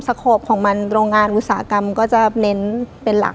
โขปของมันโรงงานอุตสาหกรรมก็จะเน้นเป็นหลัก